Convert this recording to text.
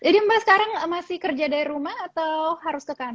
jadi mbak sekarang masih kerja dari rumah atau harus ke kantor